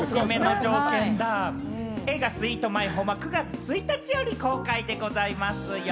映画『スイート・マイホーム』は９月１日より公開でございますよ。